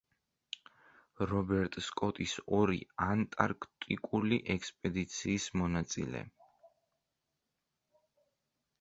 რობერტ სკოტის ორი ანტარქტიკული ექსპედიციის მონაწილე.